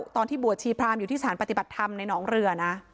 ตอนที่บวชชีพรามอยู่ที่สถานปฏิบัติธรรมในหนองเรือนะ